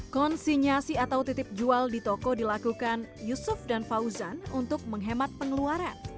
konsinyasi atau titip jual di toko dilakukan yusuf dan fauzan untuk menghemat pengeluaran